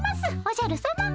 おじゃるさま。